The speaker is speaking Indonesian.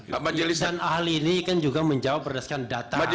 dan ahli ini kan juga menjawab berdasarkan data